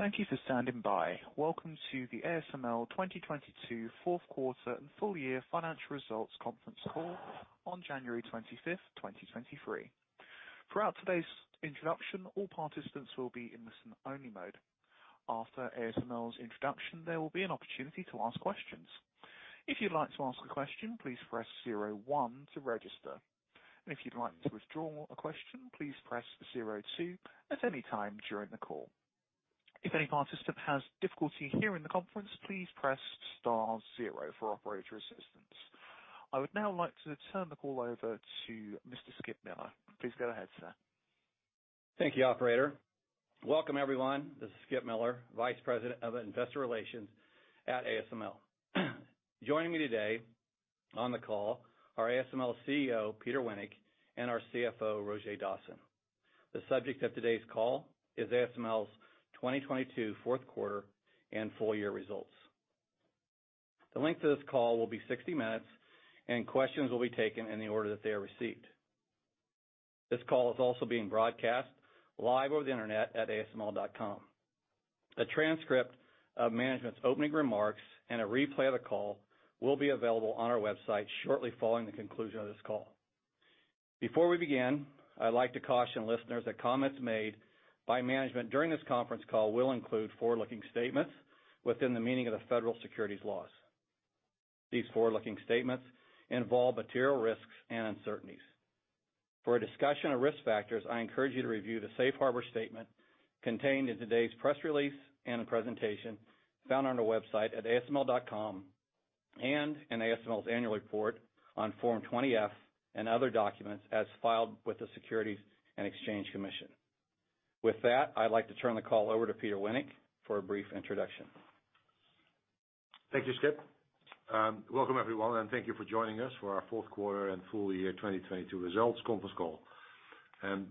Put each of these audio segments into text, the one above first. Thank you for standing by. Welcome to the ASML 2022 4th quarter and full year financial results conference call on January 25th, 2023. Throughout today's introduction, all participants will be in listen-only mode. After ASML's introduction, there will be an opportunity to ask questions. If you'd like to ask a question, please press 01 to register. If you'd like to withdraw a question, please press 02 at any time during the call. If any participant has difficulty hearing the conference, please press star 0 for operator assistance. I would now like to turn the call over to Mr. Skip Miller. Please go ahead, sir. Thank you, operator. Welcome, everyone. This is Skip Miller, Vice President of Investor Relations at ASML. Joining me today on the call are ASML CEO, Peter Wennink, and our CFO, Roger Dassen. The subject of today's call is ASML's 2022 4th quarter and full year results. The length of this call will be 60 minutes. Questions will be taken in the order that they are received. This call is also being broadcast live over the internet at asml.com. A transcript of management's opening remarks and a replay of the call will be available on our website shortly following the conclusion of this call. Before we begin, I'd like to caution listeners that comments made by management during this conference call will include forward-looking statements within the meaning of the federal securities laws. These forward-looking statements involve material risks and uncertainties. For a discussion of risk factors, I encourage you to review the safe harbor statement contained in today's press release and the presentation found on our website at asml.com, and in ASML's annual report on Form 20-F and other documents as filed with the Securities and Exchange Commission. With that, I'd like to turn the call over to Peter Wennink for a brief introduction. Thank you, Skip. Welcome everyone, and thank you for joining us for our 4th quarter and full year 2022 results conference call.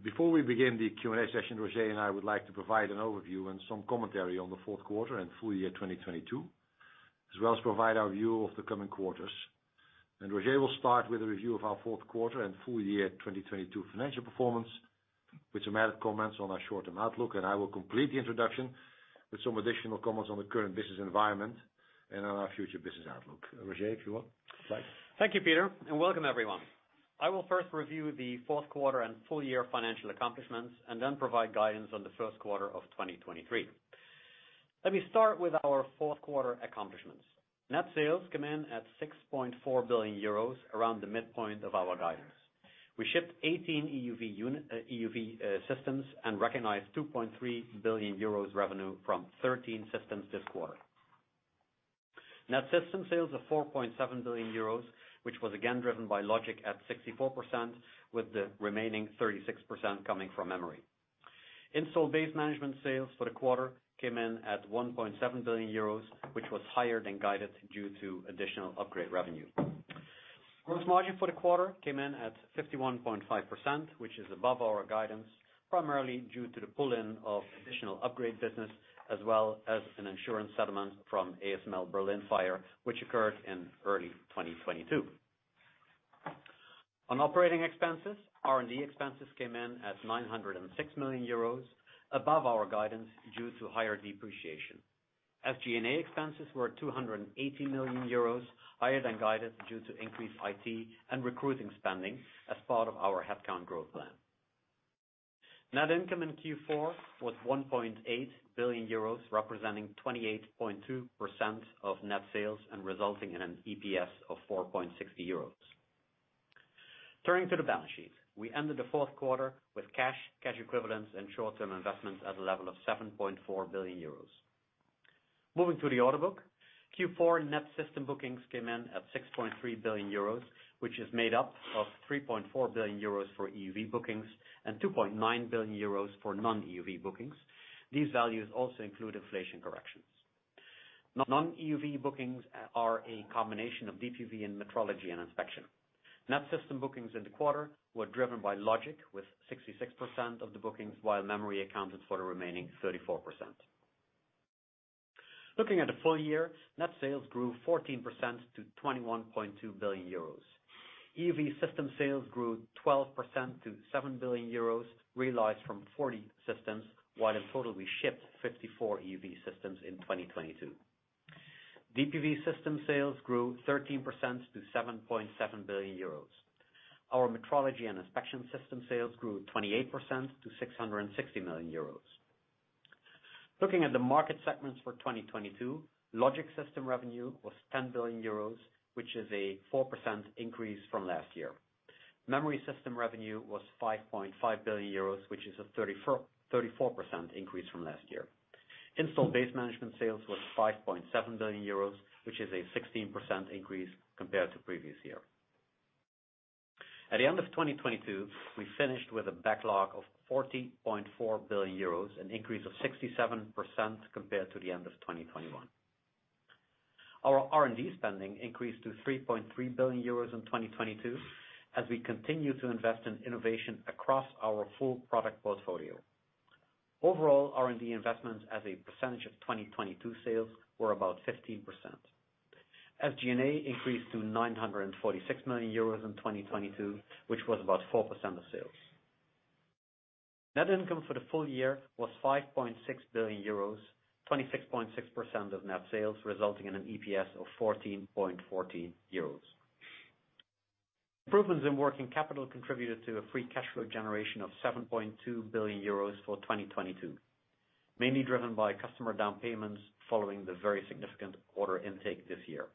Before we begin the Q&A session, Roger and I would like to provide an overview and some commentary on the 4th quarter and full year 2022, as well as provide our view of the coming quarters. Roger will start with a review of our 4th quarter and full year 2022 financial performance, with some added comments on our short-term outlook, and I will complete the introduction with some additional comments on the current business environment and on our future business outlook. Roger, if you want, start. Thank you, Peter, and welcome everyone. I will first review the 4th quarter and full year financial accomplishments and then provide guidance on the 1st quarter of 2023. Let me start with our 4th quarter accomplishments. Net sales come in at 6.4 billion euros, around the midpoint of our guidance. We shipped 18 EUV systems and recognized 2.3 billion euros revenue from 13 systems this quarter. Net system sales of 4.7 billion euros, which was again driven by logic at 64%, with the remaining 36% coming from memory. Installed base management sales for the quarter came in at 1.7 billion euros, which was higher than guided due to additional upgrade revenue. Gross margin for the quarter came in at 51.5%, which is above our guidance, primarily due to the pull-in of additional upgrade business as well as an insurance settlement from ASML Berlin fire, which occurred in early 2022. On operating expenses, R&D expenses came in at 906 million euros, above our guidance due to higher depreciation. SG&A expenses were 280 million euros, higher than guided due to increased IT and recruiting spending as part of our headcount growth plan. Net income in Q4 was 1.8 billion euros, representing 28.2% of net sales and resulting in an EPS of 4.60 euros. Turning to the balance sheet, we ended the fourth quarter with cash equivalents and short-term investments at a level of 7.4 billion euros. Moving to the order book, Q4 net system bookings came in at 6.3 billion euros, which is made up of 3.4 billion euros for EUV bookings and 2.9 billion euros for non-EUV bookings. These values also include inflation corrections. Non-EUV bookings are a combination of DUV and metrology and inspection. Net system bookings in the quarter were driven by logic, with 66% of the bookings, while memory accounted for the remaining 34%. Looking at the full year, net sales grew 14% to 21.2 billion euros. EUV system sales grew 12% to 7 billion euros, realized from 40 systems, while in total we shipped 54 EUV systems in 2022. DUV system sales grew 13% to 7.7 billion euros. Our metrology and inspection system sales grew 28% to 660 million euros. Looking at the market segments for 2022, logic system revenue was 10 billion euros, which is a 4% increase from last year. Memory system revenue was 5.5 billion euros, which is a 34% increase from last year. Installed base management sales was 5.7 billion euros, which is a 16% increase compared to previous year. At the end of 2022, we finished with a backlog of 40.4 billion euros, an increase of 67% compared to the end of 2021. Our R&D spending increased to 3.3 billion euros in 2022 as we continue to invest in innovation across our full product portfolio. Overall, R&D investments as a percentage of 2022 sales were about 15%. SG&A increased to 946 million euros in 2022, which was about 4% of sales. Net income for the full year was 5.6 billion euros, 26.6% of net sales, resulting in an EPS of 14.14 euros. Improvements in working capital contributed to a free cash flow generation of 7.2 billion euros for 2022, mainly driven by customer down payments following the very significant order intake this year.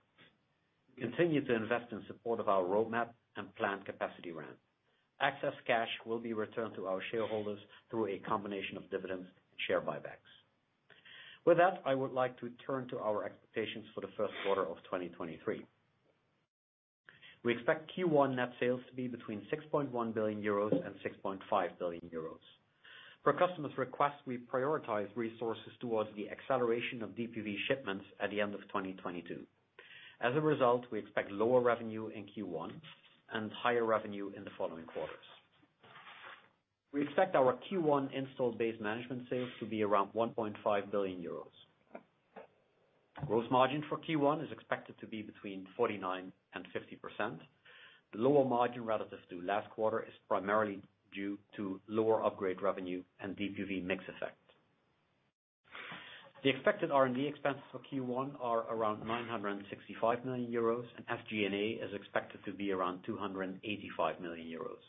We continue to invest in support of our roadmap and planned capacity ramp. Access cash will be returned to our shareholders through a combination of dividends and share buybacks. I would like to turn to our expectations for the first quarter of 2023. We expect Q1 net sales to be between 6.1 billion euros and 6.5 billion euros. Per customer's request, we prioritize resources towards the acceleration of DUV shipments at the end of 2022. As a result, we expect lower revenue in Q1 and higher revenue in the following quarters. We expect our Q1 installed base management sales to be around 1.5 billion euros. Gross margin for Q1 is expected to be between 49% and 50%. The lower margin relatives to last quarter is primarily due to lower upgrade revenue and DUV mix effect. The expected R&D expenses for Q1 are around 965 million euros, and SG&A is expected to be around 285 million euros.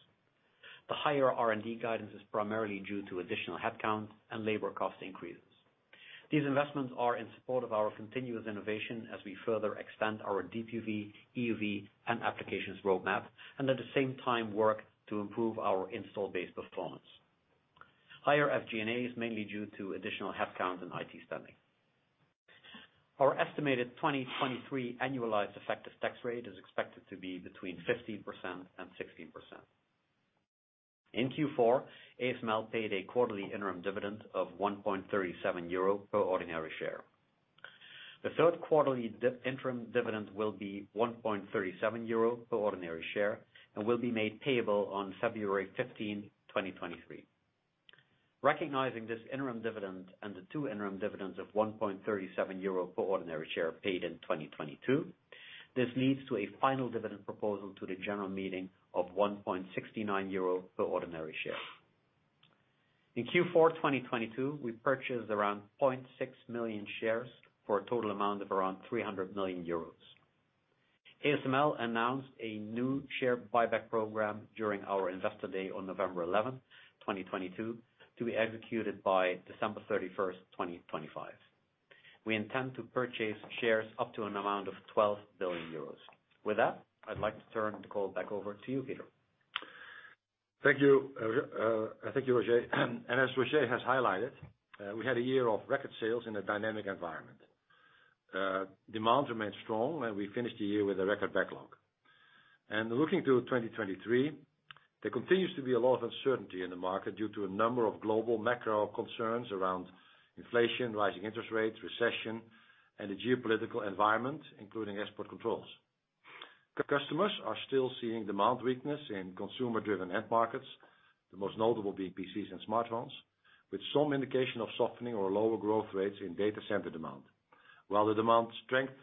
The higher R&D guidance is primarily due to additional headcount and labor cost increases. These investments are in support of our continuous innovation as we further extend our DUV, EUV, and applications roadmap, and at the same time work to improve our install base performance. Higher SG&A is mainly due to additional headcounts in IT spending. Our estimated 2023 annualized effective tax rate is expected to be between 15% and 16%. In Q4, ASML paid a quarterly interim dividend of 1.37 euro per ordinary share. The third quarterly interim dividend will be 1.37 euro per ordinary share and will be made payable on February 15, 2023. Recognizing this interim dividend and the 2 interim dividends of 1.37 euro per ordinary share paid in 2022, this leads to a final dividend proposal to the general meeting of 1.69 euro per ordinary share. In Q4 2022, we purchased around 0.6 million shares for a total amount of around 300 million euros. ASML announced a new share buyback program during our Investor Day on November 11, 2022, to be executed by December 31, 2025. We intend to purchase shares up to an amount of 12 billion euros. With that, I'd like to turn the call back over to you, Peter. Thank you, thank you, Roger. As Roger has highlighted, we had a year of record sales in a dynamic environment. Demand remained strong, we finished the year with a record backlog. Looking to 2023, there continues to be a lot of uncertainty in the market due to a number of global macro concerns around inflation, rising interest rates, recession, and the geopolitical environment, including export controls. Customers are still seeing demand weakness in consumer-driven end markets, the most notable being PCs and smartphones, with some indication of softening or lower growth rates in data center demand. While the demand strength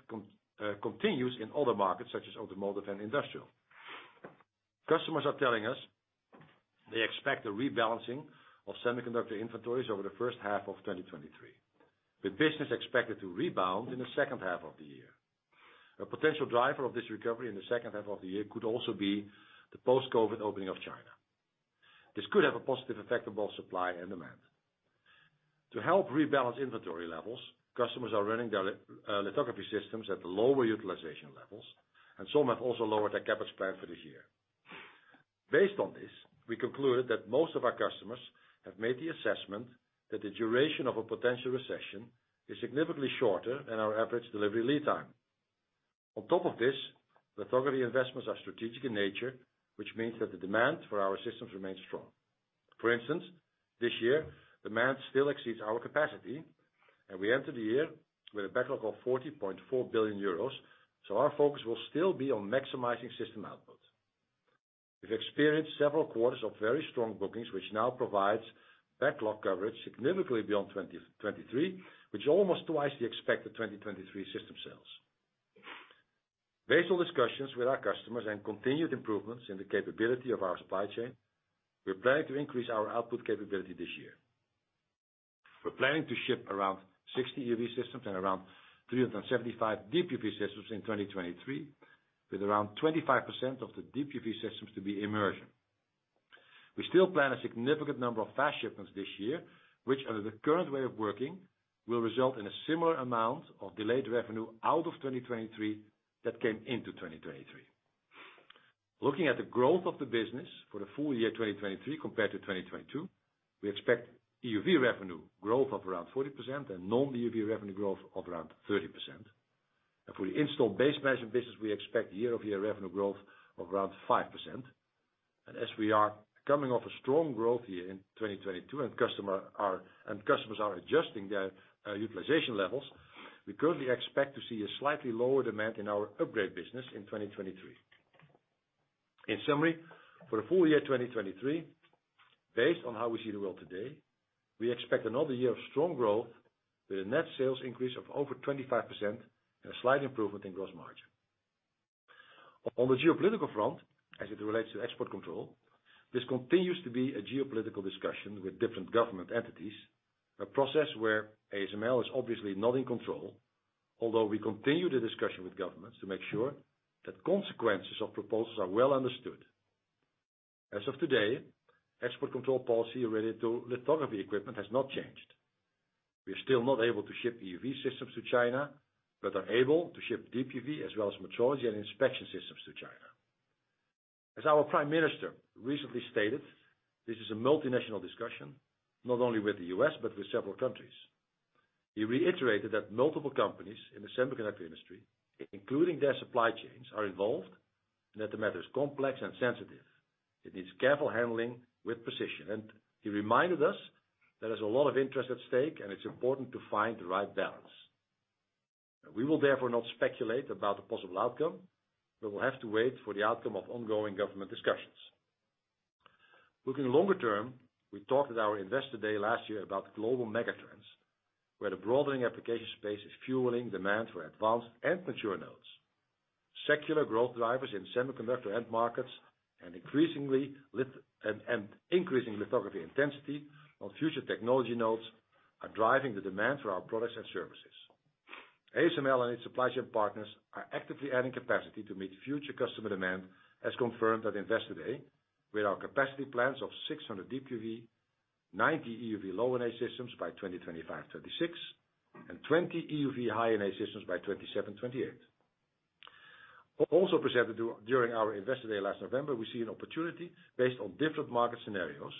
continues in other markets such as automotive and industrial. Customers are telling us they expect a rebalancing of semiconductor inventories over the first half of 2023, with business expected to rebound in the second half of the year. A potential driver of this recovery in the second half of the year could also be the post-COVID opening of China. This could have a positive effect of both supply and demand. To help rebalance inventory levels, customers are running their lithography systems at lower utilization levels, and some have also lowered their CapEx plan for this year. Based on this, we concluded that most of our customers have made the assessment that the duration of a potential recession is significantly shorter than our average delivery lead time. On top of this, lithography investments are strategic in nature, which means that the demand for our systems remains strong. For instance, this year, demand still exceeds our capacity, and we enter the year with a backlog of 40.4 billion euros. Our focus will still be on maximizing system output. We've experienced several quarters of very strong bookings, which now provides backlog coverage significantly beyond 2023, which almost twice the expected 2023 system sales. Based on discussions with our customers and continued improvements in the capability of our supply chain, we plan to increase our output capability this year. We're planning to ship around 60 EUV systems and around 375 DUV systems in 2023, with around 25% of the DUV systems to be immersion. We still plan a significant number of fast shipments this year, which under the current way of working, will result in a similar amount of delayed revenue out of 2023 that came into 2023. Looking at the growth of the business for the full year 2023 compared to 2022, we expect EUV revenue growth of around 40% and non-EUV revenue growth of around 30%. For the installed base management business, we expect year-over-year revenue growth of around 5%. As we are coming off a strong growth year in 2022 and customers are adjusting their utilization levels, we currently expect to see a slightly lower demand in our upgrade business in 2023. In summary, for the full year 2023, based on how we see the world today, we expect another year of strong growth with a net sales increase of over 25% and a slight improvement in gross margin. On the geopolitical front, as it relates to export control, this continues to be a geopolitical discussion with different government entities, a process where ASML is obviously not in control, although we continue the discussion with governments to make sure that consequences of proposals are well understood. As of today, export control policy related to lithography equipment has not changed. We are still not able to ship EUV systems to China, but are able to ship DUV as well as metrology and inspection systems to China. As our prime minister recently stated, this is a multinational discussion, not only with the U.S., but with several countries. He reiterated that multiple companies in the semiconductor industry, including their supply chains, are involved, and that the matter is complex and sensitive. It needs careful handling with precision. He reminded us there is a lot of interest at stake, and it's important to find the right balance. We will therefore not speculate about the possible outcome, but we'll have to wait for the outcome of ongoing government discussions. Looking longer term, we talked at our Investor Day last year about the global megatrends, where the broadening application space is fueling demand for advanced and mature nodes. Secular growth drivers in semiconductor end markets and increasingly lithography intensity on future technology nodes are driving the demand for our products and services. ASML and its supply chain partners are actively adding capacity to meet future customer demand, as confirmed at Investor Day, with our capacity plans of 600 DUV, 90 EUV Low-NA systems by 2025, 2026, and 20 EUV High-NA systems by 2027, 2028. Also presented during our Investor Day last November, we see an opportunity based on different market scenarios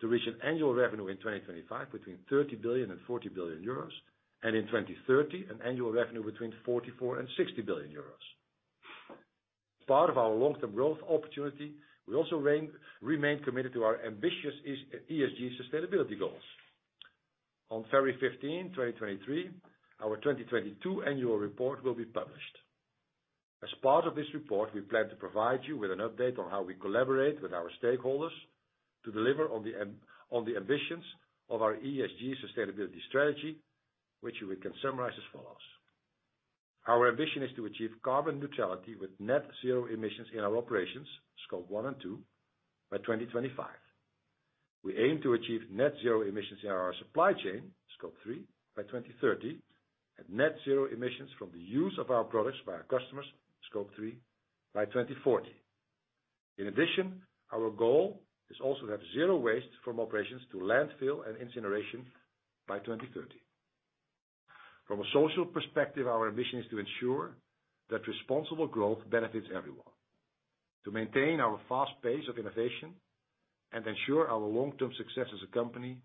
to reach an annual revenue in 2025 between 30 billion and 40 billion euros, and in 2030, an annual revenue between 44 billion and 60 billion euros. As part of our long-term growth opportunity, we also remain committed to our ambitious ESG sustainability goals. On February 15th, 2023, our 2022 annual report will be published. As part of this report, we plan to provide you with an update on how we collaborate with our stakeholders to deliver on the ambitions of our ESG sustainability strategy, which we can summarize as follows. Our ambition is to achieve carbon neutrality with net zero emissions in our operations, Scope 1 and 2, by 2025. We aim to achieve net zero emissions in our supply chain, Scope 3, by 2030, and net zero emissions from the use of our products by our customers, Scope 3, by 2040. In addition, our goal is also to have zero waste from operations to landfill and incineration by 2030. From a social perspective, our ambition is to ensure that responsible growth benefits everyone. To maintain our fast pace of innovation and ensure our long-term success as a company,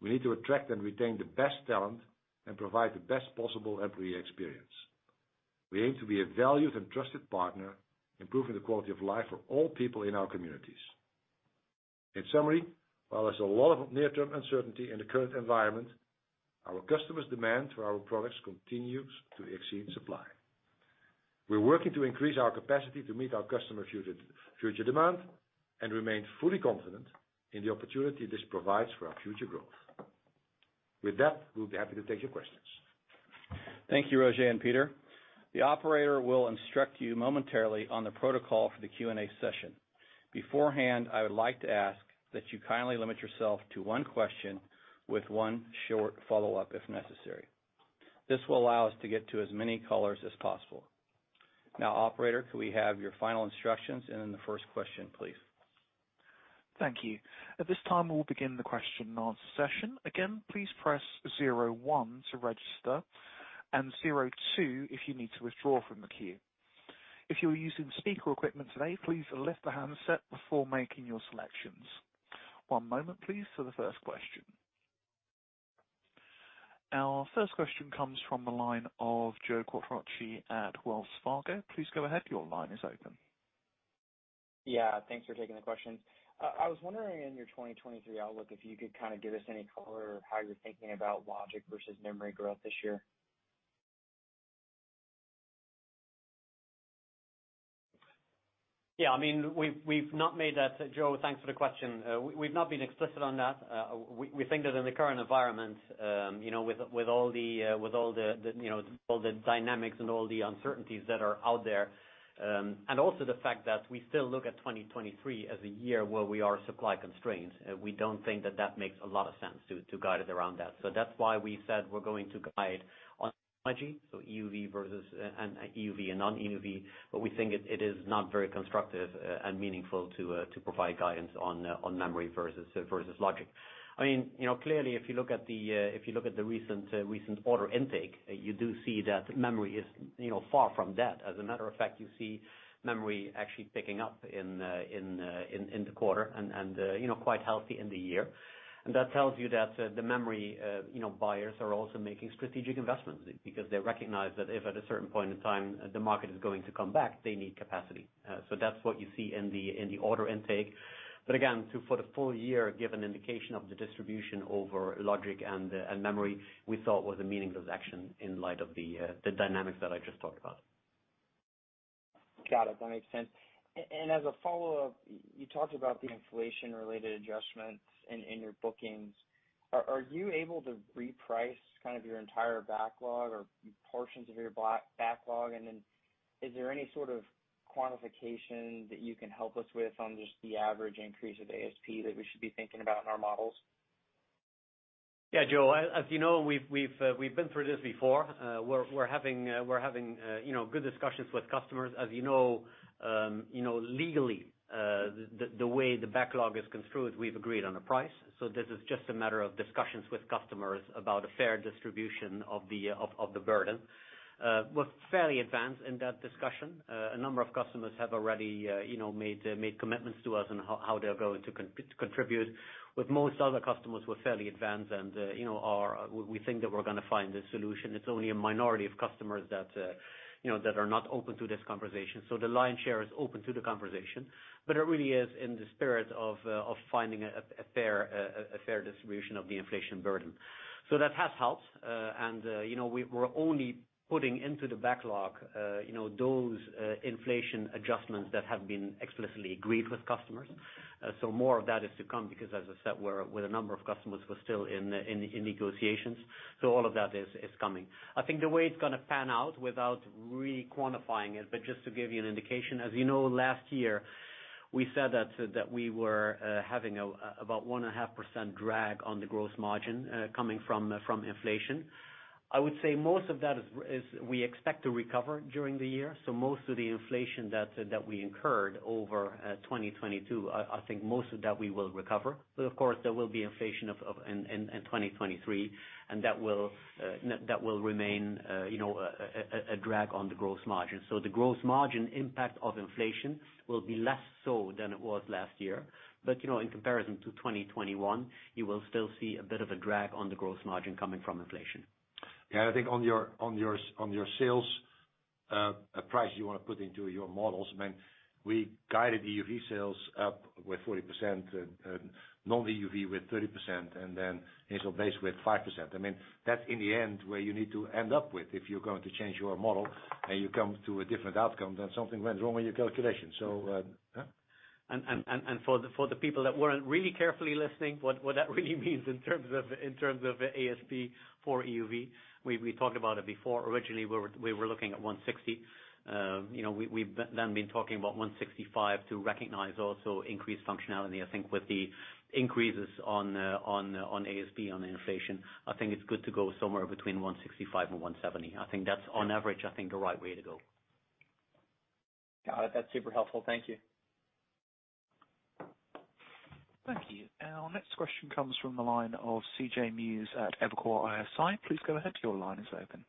we need to attract and retain the best talent and provide the best possible employee experience. We aim to be a valued and trusted partner, improving the quality of life for all people in our communities. In summary, while there's a lot of near-term uncertainty in the current environment, our customers' demand for our products continues to exceed supply. We're working to increase our capacity to meet our customer's future demand and remain fully confident in the opportunity this provides for our future growth. With that, we'll be happy to take your questions. Thank you, Roger and Peter. The operator will instruct you momentarily on the protocol for the Q&A session. Beforehand, I would like to ask that you kindly limit yourself to one question with one short follow-up if necessary. This will allow us to get to as many callers as possible. Now, operator, could we have your final instructions and then the first question, please? Thank you. At this time, we'll begin the question and answer session. Please press 01 to register and 02 if you need to withdraw from the queue. If you are using speaker equipment today, please lift the handset before making your selections. One moment please for the first question. Our first question comes from the line of Joe Quattrocchi at Wells Fargo. Please go ahead. Your line is open. Thanks for taking the question. I was wondering in your 2023 outlook, if you could kind of give us any color how you're thinking about logic versus memory growth this year. e we've not made that. Joe, thanks for the question. We've not been explicit on that. We think that in the current environment, you know, with all the with all the you know, all the dynamics and all the uncertainties that are out there, and also the fact that we still look at 2023 as a year where we are supply constrained, we don't think that that makes a lot of sense to to guide it around that. That's why we said we're going to guide on technology, so EUV versus and EUV and non-EUV, but we think it is not very constructive and meaningful to to provide guidance on on memory versus versus logic. I mean, you know, clearly, if you look at the, if you look at the recent order intake, you do see that memory is, you know, far from dead. As a matter of fact, you see memory actually picking up in the quarter and, you know, quite healthy in the year. That tells you that the memory, you know, buyers are also making strategic investments because they recognize that if at a certain point in time the market is going to come back, they need capacity. That's what you see in the, in the order intake. Again, for the full year, give an indication of the distribution over logic and memory, we thought was a meaningless action in light of the dynamics that I just talked about. Got it. That makes sense. As a follow-up, you talked about the inflation-related adjustments in your bookings. Are you able to reprice kind of your entire backlog or portions of your backlog? Is there any sort of quantification that you can help us with on just the average increase of ASP that we should be thinking about in our models? Joe, as you know, we've been through this before. We're having, you know, good discussions with customers. You know, legally, the way the backlog is construed, we've agreed on a price. This is just a matter of discussions with customers about a fair distribution of the burden. We're fairly advanced in that discussion. A number of customers have already, you know, made commitments to us on how they're going to contribute. With most other customers, we're fairly advanced and, you know, we think that we're gonna find a solution. It's only a minority of customers that, you know, that are not open to this conversation. The lion's share is open to the conversation, but it really is in the spirit of finding a fair, a fair distribution of the inflation burden. That has helped. And, you know, we're only putting into the backlog, you know, those inflation adjustments that have been explicitly agreed with customers. More of that is to come because as I said, we're, with a number of customers, we're still in negotiations. All of that is coming. I think the way it's gonna pan out without really quantifying it, but just to give you an indication, as you know, last year, we said that we were having about 1.5% drag on the gross margin coming from inflation. I would say most of that is we expect to recover during the year. Most of the inflation that we incurred over 2022, I think most of that we will recover. Of course, there will be inflation of in 2023, and that will remain, you know, a drag on the gross margin. The gross margin impact of inflation will be less so than it was last year. You know, in comparison to 2021, you will still see a bit of a drag on the gross margin coming from inflation. Yeah, I think on your sales, price you wanna put into your models, I mean, we guided EUV sales up with 40% and non-EUV with 30% and then initial base with 5%. I mean, that's in the end where you need to end up with if you're going to change your model and you come to a different outcome, then something went wrong with your calculation. yeah. For the people that weren't really carefully listening, what that really means in terms of ASP for EUV, we talked about it before. Originally, we were looking at 160. You know, we've then been talking about 165 to recognize also increased functionality. I think with the increases on ASP on inflation, I think it's good to go somewhere between 165 and 170. I think that's on average, I think the right way to go. Got it. That's super helpful. Thank you. Thank you. Our next question comes from the line of CJ Muse at Evercore ISI. Please go ahead. Your line is open.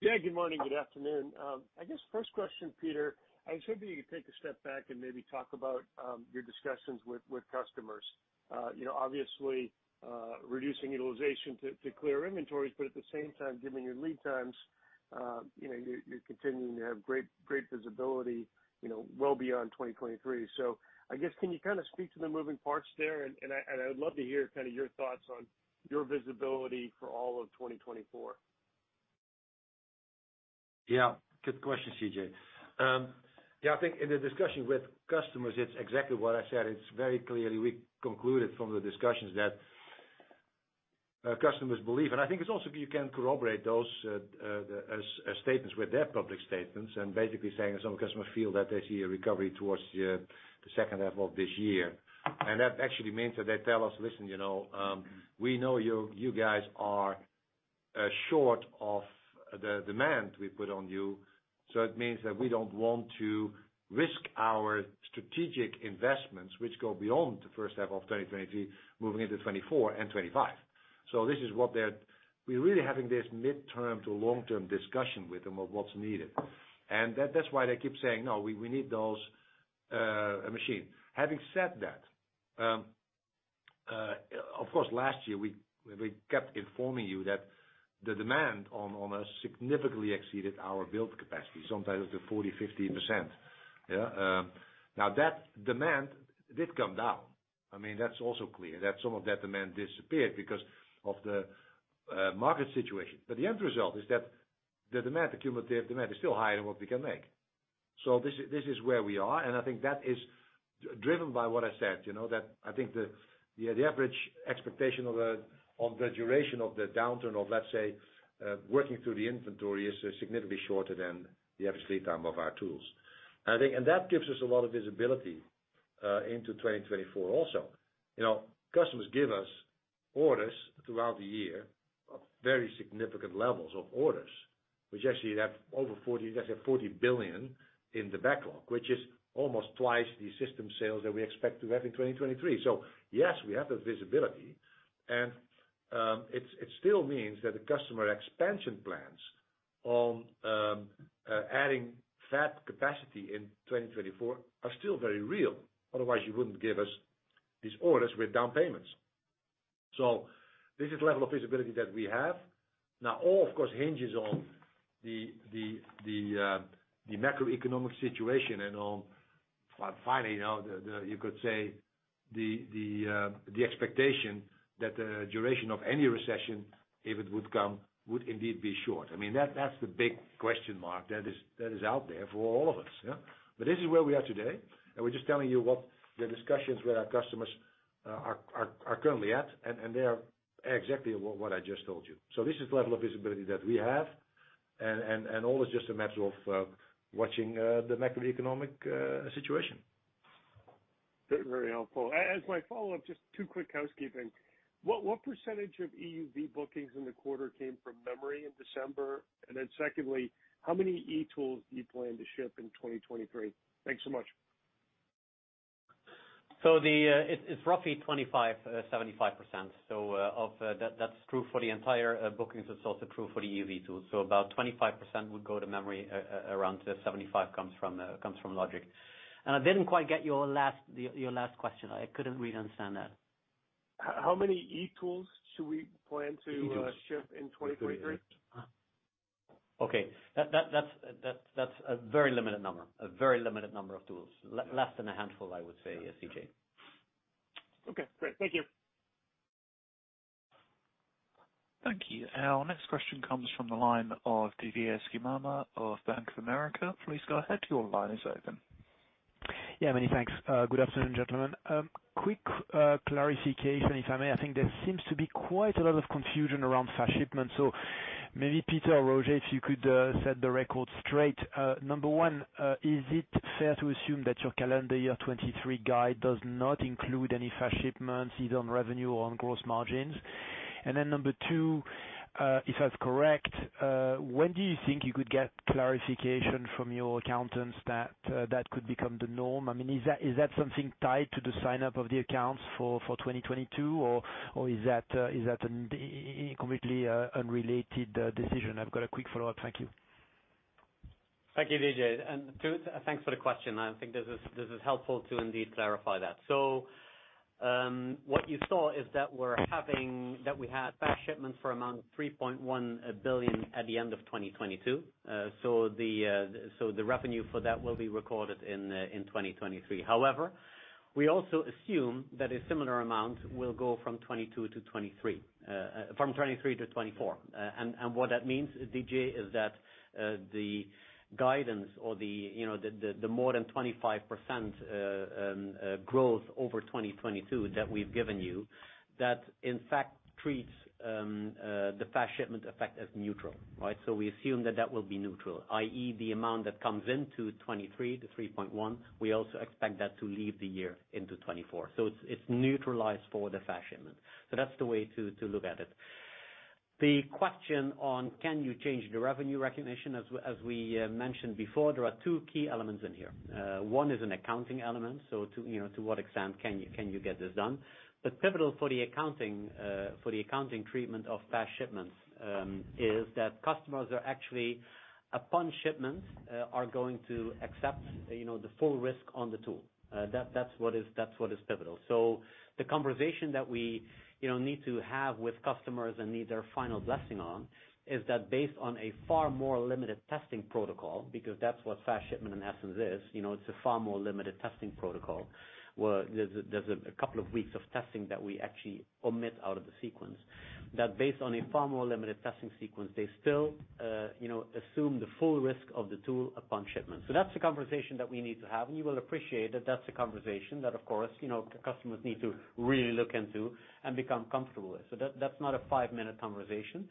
Yeah, good morning, good afternoon. I guess first question, Peter, I was hoping you could take a step back and maybe talk about your discussions with customers. You know, obviously, reducing utilization to clear inventories, but at the same time, given your lead times, you know, you're continuing to have great visibility, you know, well beyond 2023. I guess, can you kinda speak to the moving parts there? I would love to hear kinda your thoughts on your visibility for all of 2024. Yeah. Good question, CJ. Yeah, I think in the discussion with customers, it's exactly what I said. It's very clearly we concluded from the discussions that customers believe, and I think it's also you can corroborate those as statements with their public statements, basically saying that some customers feel that they see a recovery towards the second half of this year. That actually means that they tell us, "Listen, you know, we know you guys are short of the demand we put on you, so it means that we don't want to risk our strategic investments, which go beyond the first half of 2023, moving into 2024 and 2025." We're really having this midterm to long-term discussion with them of what's needed. That's why they keep saying, "No, we need those machines." Having said that, of course, last year we kept informing you that the demand on us significantly exceeded our build capacity, sometimes up to 40%, 50%. Yeah. Now that demand did come down. I mean, that's also clear, that some of that demand disappeared because of the market situation. The end result is that the demand, the cumulative demand is still higher than what we can make. This is where we are, and I think that is driven by what I said, you know. That I think the average expectation of the duration of the downturn of, let's say, working through the inventory is significantly shorter than the average lead time of our tools. That gives us a lot of visibility into 2024 also. You know, customers give us orders throughout the year of very significant levels of orders, which actually have over 40 billion in the backlog, which is almost twice the system sales that we expect to have in 2023. Yes, we have the visibility, and it still means that the customer expansion plans on adding fab capacity in 2024 are still very real. Otherwise, you wouldn't give us these orders with down payments. This is level of visibility that we have. All of course hinges on the macroeconomic situation and on finally, you know, the expectation that the duration of any recession, if it would come, would indeed be short. I mean, that's the big question mark that is out there for all of us, yeah? This is where we are today, and we're just telling you what the discussions with our customers are currently at, and they are exactly what I just told you. This is the level of visibility that we have, and all is just a matter of watching the macroeconomic situation. Very helpful. As my follow-up, just 2 quick housekeeping. What percentage of EUV bookings in the quarter came from memory in December? Secondly, how many e-tools do you plan to ship in 2023? Thanks so much. It's roughly 25%, 75%. Of that's true for the entire bookings. It's also true for the EUV tools. About 25% would go to memory, around 75% comes from logic. I didn't quite get your last question. I couldn't really understand that. How many e-tools should we plan? e-tools. ship in 2023? Okay. That's a very limited number. A very limited number of tools. Less than a handful, I would say, CJ. Okay, great. Thank you. Thank you. Our next question comes from the line of Didier Scemama of Bank of America. Please go ahead, your line is open. Yeah, many thanks. Good afternoon, gentlemen. Quick clarification, if I may. I think there seems to be quite a lot of confusion around fast shipments, so maybe Peter or Roger, if you could set the record straight. Number one, is it fair to assume that your calendar year 2023 guide does not include any fast shipments either on revenue or on gross margins? Number two, if that's correct, when do you think you could get clarification from your accountants that that could become the norm? I mean, is that something tied to the sign-up of the accounts for 2022? Or is that an completely unrelated decision? I've got a quick follow-up. Thank you. Thank you, Didier. Thanks for the question. I think this is helpful to indeed clarify that. What you saw is that we had fast shipments for around 3.1 billion at the end of 2022. The revenue for that will be recorded in 2023. However, we also assume that a similar amount will go from 2022 to 2023, from 2023 to 2024. What that means, Didier, is that the guidance or the, you know, the more than 25% growth over 2022 that we've given you, that in fact treats the fast shipment effect as neutral, right? We assume that that will be neutral, i.e., the amount that comes into 2023, 3.1, we also expect that to leave the year into 2024. It's neutralized for the fast shipment. That's the way to look at it. The question on can you change the revenue recognition, as we mentioned before, there are two key elements in here. One is an accounting element, so to, you know, to what extent can you get this done? Pivotal for the accounting, for the accounting treatment of fast shipments, is that customers are actually, upon shipment, are going to accept, you know, the full risk on the tool. That's what is pivotal. The conversation that we, you know, need to have with customers and need their final blessing on is that based on a far more limited testing protocol, because that's what fast shipment in essence is, you know, it's a far more limited testing protocol, where there's a couple of weeks of testing that we actually omit out of the sequence. That based on a far more limited testing sequence, they still, you know, assume the full risk of the tool upon shipment. That's the conversation that we need to have. You will appreciate that that's a conversation that of course, you know, customers need to really look into and become comfortable with. That, that's not a five-minute conversation.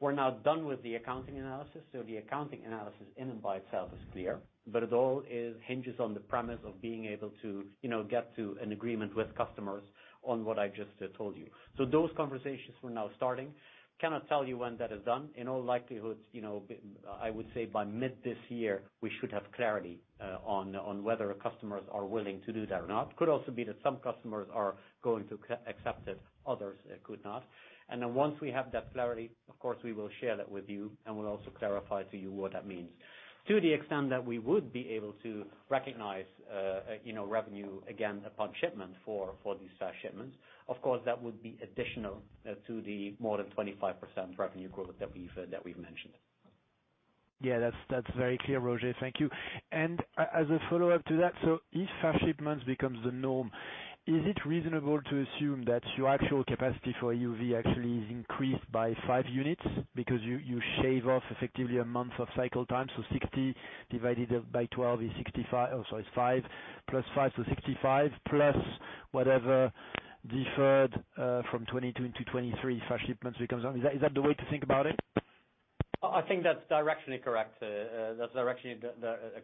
We're now done with the accounting analysis, so the accounting analysis in and by itself is clear. It all is... hinges on the premise of being able to, you know, get to an agreement with customers on what I've just told you. Those conversations we're now starting. Cannot tell you when that is done. In all likelihood, you know, I would say by mid this year, we should have clarity on whether customers are willing to do that or not. Could also be that some customers are going to accept it, others could not. Once we have that clarity, of course, we will share that with you, and we'll also clarify to you what that means. To the extent that we would be able to recognize, you know, revenue again upon shipment for these fast shipments, of course, that would be additional to the more than 25% revenue growth that we've that we've mentioned. Yeah, that's very clear, Roger. Thank you. As a follow-up to that, if fast shipments becomes the norm, is it reasonable to assume that your actual capacity for EUV actually is increased by 5 units? Because you shave off effectively a month of cycle time, 60 divided by 12 is 65... Oh, sorry, it's 5 + 5, so 65, plus whatever deferred from 2022 into 2023 fast shipments becomes. Is that the way to think about it? I think that's directionally correct. That's directionally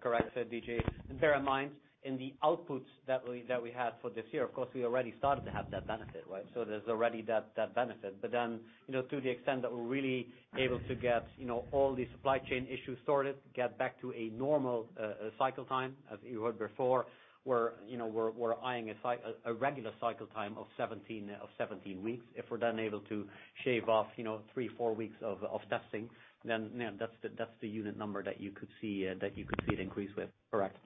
correct, Didier. Bear in mind, in the outputs that we had for this year, of course, we already started to have that benefit, right? There's already that benefit. You know, to the extent that we're really able to get, you know, all the supply chain issues sorted, get back to a normal cycle time, as you heard before, you know, we're eyeing a regular cycle time of 17 weeks. If we're then able to shave off, you know, 3, 4 weeks of testing, you know, that's the unit number that you could see it increase with. Correct.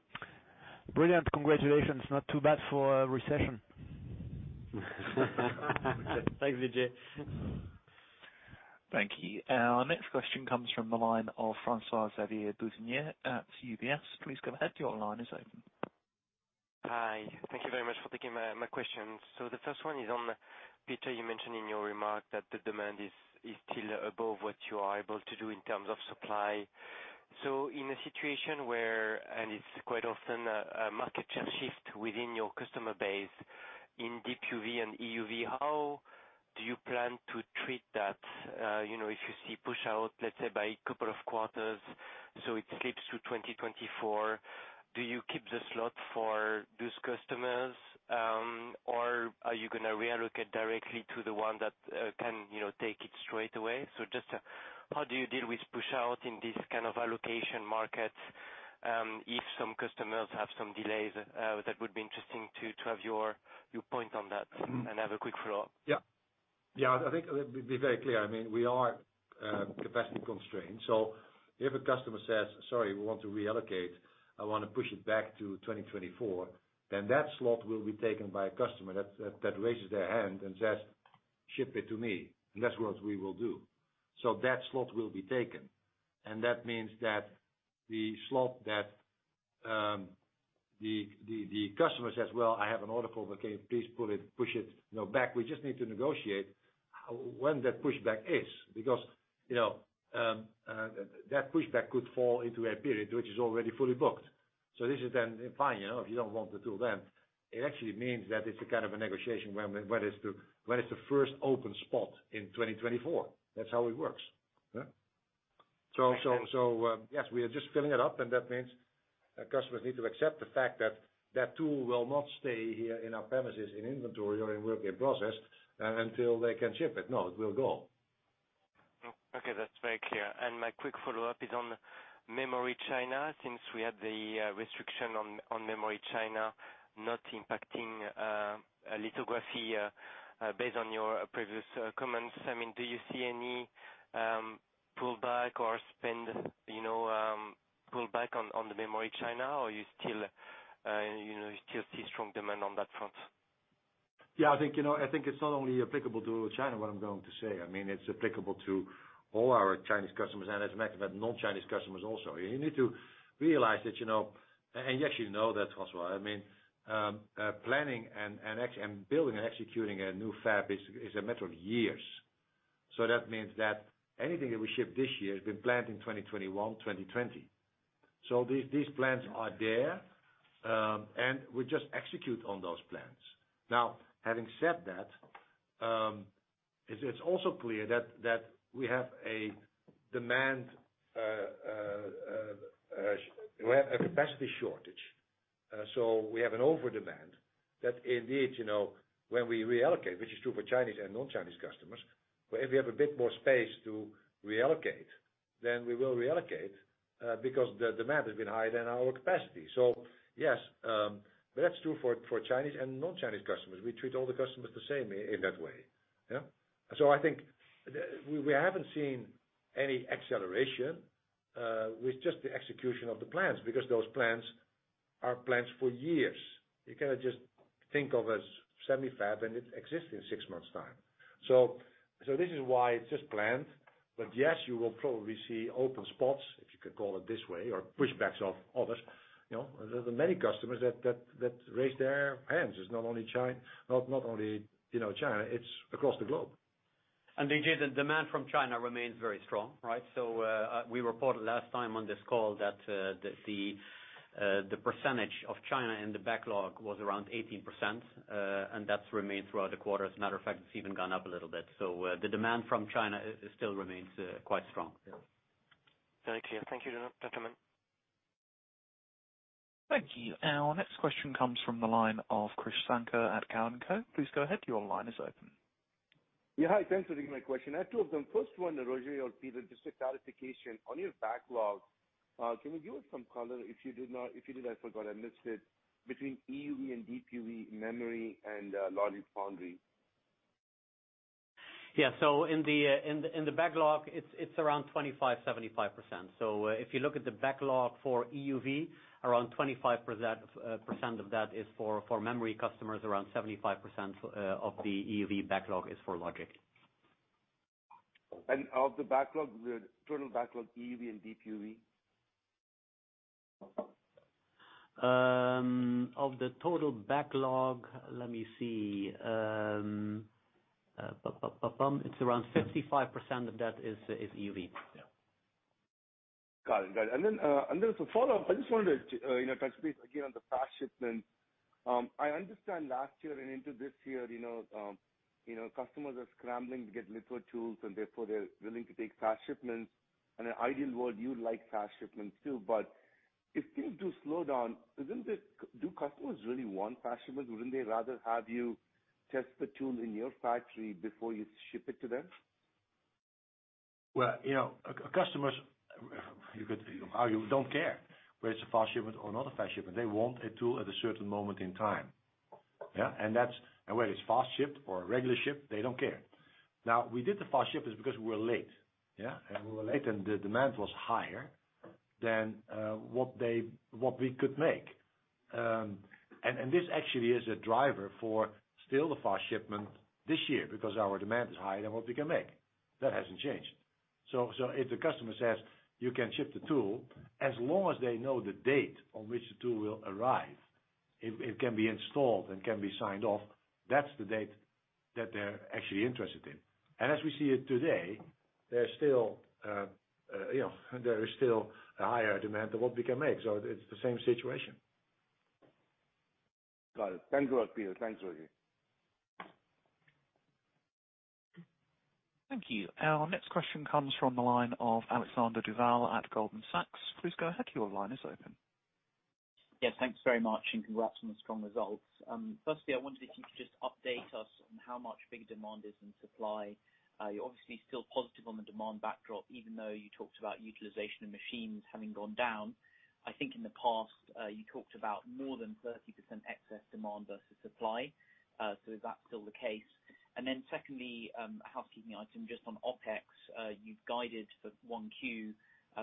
Brilliant. Congratulations. Not too bad for a recession. Thanks, Vijay. Thank you. Our next question comes from the line of Francois-Xavier Bouvignies at UBS. Please go ahead. Your line is open. Hi. Thank you very much for taking my question. The first one is on, Peter, you mentioned in your remark that the demand is still above what you are able to do in terms of supply. In a situation where, and it's quite often a market shift within your customer base in DUV and EUV, how do you plan to treat that? you know, if you see pushout, let's say by couple of quarters, so it slips to 2024, do you keep the slot for those customers, or are you gonna reallocate directly to the one that can, you know, take it straight away? just how do you deal with pushout in this kind of allocation market, if some customers have some delays? That would be interesting to have your point on that. I have a quick follow-up. Yeah. Yeah, I think let me be very clear. I mean, we are capacity constrained. If a customer says, "Sorry, we want to reallocate. I want to push it back to 2024," then that slot will be taken by a customer that raises their hand and says, "Ship it to me." That's what we will do. That slot will be taken, and that means that the slot that the customer says, "Well, I have an order for, but can you please push it, you know, back." We just need to negotiate how when that pushback is because, you know, that pushback could fall into a period which is already fully booked. This is then fine, you know, if you don't want the tool, then it actually means that it's a kind of a negotiation when it's the first open spot in 2024. That's how it works. Yes. Yes, we are just filling it up, and that means that customers need to accept the fact that that tool will not stay here in our premises, in inventory or it will get processed until they can ship it. No, it will go. Okay, that's very clear. My quick follow-up is on memory China. Since we had the restriction on memory China not impacting lithography, based on your previous comments, I mean, do you see any pullback or spend, you know, pullback on the memory China, or you still, you know, you still see strong demand on that front? I think, you know, I think it's not only applicable to China, what I'm going to say. I mean, it's applicable to all our Chinese customers, and as a matter of fact, non-Chinese customers also. You need to realize that, you know, and you actually know that, Francois. I mean, planning and building and executing a new fab is a matter of years. That means that anything that we ship this year has been planned in 2021, 2020. These plans are there, and we just execute on those plans. Having said that, it's also clear that we have a demand, we have a capacity shortage, we have an overdemand that indeed, you know, when we reallocate, which is true for Chinese and non-Chinese customers, where if you have a bit more space to reallocate, then we will reallocate, because the demand has been higher than our capacity. Yes, but that's true for Chinese and non-Chinese customers. We treat all the customers the same in that way. Yeah. I think we haven't seen any acceleration with just the execution of the plans because those plans are plans for years. You cannot just think of as semi fab, and it exists in 6 months' time. This is why it's just planned. Yes, you will probably see open spots, if you could call it this way, or pushbacks of others. You know, there are many customers that raise their hands. It's not only, you know, China. It's across the globe. Vijay, the demand from China remains very strong, right? We reported last time on this call that the percentage of China in the backlog was around 18%, and that's remained throughout the quarter. As a matter of fact, it's even gone up a little bit. The demand from China it still remains quite strong. Very clear. Thank you, gentlemen. Thank you. Our next question comes from the line of Krish Sankar at Cowen Co. Please go ahead. Your line is open. Hi, thanks for taking my question. I have two of them. First one, Roger or Peter, just a clarification on your backlog. Can you give us some color, if you did not, if you did, I forgot, I missed it, between EUV and DUV memory and, logic foundry? Yeah. In the backlog, it's around 25, 75%. If you look at the backlog for EUV, around 25% of that is for memory customers. Around 75% of the EUV backlog is for logic. Of the backlog, the total backlog, EUV and DUV? Of the total backlog, let me see. It's around 55% of that is EUV. Yeah. Got it. Got it. Then, and then for follow-up, I just wanted to, you know, touch base again on the fast shipment. I understand last year and into this year, you know, you know, customers are scrambling to get litho tools, and therefore they're willing to take fast shipments. In an ideal world, you like fast shipments too, but if things do slow down, do customers really want fast shipments? Wouldn't they rather have you test the tool in your factory before you ship it to them? Well, you know, Don't care whether it's a fast shipment or not a fast shipment. They want a tool at a certain moment in time. Yeah. Whether it's fast shipped or regular shipped, they don't care. Now we did the fast shipments because we were late. Yeah. We were late, and the demand was higher than what we could make. This actually is a driver for still the fast shipment this year because our demand is higher than what we can make. That hasn't changed. If the customer says, "You can ship the tool," as long as they know the date on which the tool will arrive, it can be installed and can be signed off, that's the date that they're actually interested in. As we see it today, there's still, you know, there is still a higher demand than what we can make. It's the same situation. Got it. Thanks a lot, Peter. Thanks, Roger. Thank you. Our next question comes from the line of Alexander Duval at Goldman Sachs. Please go ahead. Your line is open. Yes, thanks very much and congrats on the strong results. Firstly, I wondered if you could just update us on how much bigger demand is in supply. You're obviously still positive on the demand backdrop, even though you talked about utilization of machines having gone down. I think in the past, you talked about more than 30% excess demand versus supply. Is that still the case? Secondly, a housekeeping item just on OpEx, you've guided for 1Q,